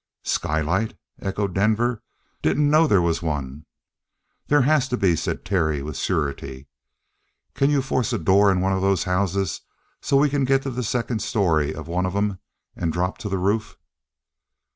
"Skylight?" echoed Denver. "Didn't know there was one." "There has to be," said Terry, with surety. "Can you force a door in one of those houses so we can get to the second story of one of 'em and drop to the roof?"